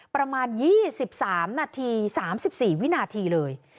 ประมาณ๒๓นาที๓๔วินาทีเลย